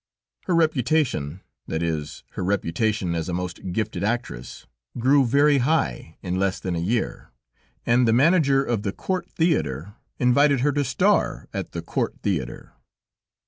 Her reputation, that is, her reputation as a most gifted actress, grew very high in less than a year, and the manager of the Court theater invited her to star at the Court theater.